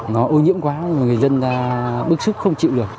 nó ô nhiễm quá người dân bức xúc không chịu được